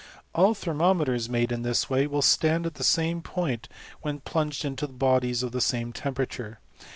All thermometers made in this way will stand at tiie same point when plunged into bodies of the same temperature.